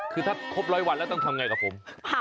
คือถ้าครบ๑๐๐วันแล้วต้องทำอย่างไรกับผม